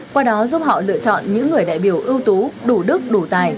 qua đó giúp họ lựa chọn những người đại biểu ưu tú đủ đức đủ tài